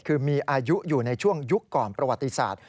คือมีอายุอยู่ในช่วงยุคก่อนประวัติศาสตร์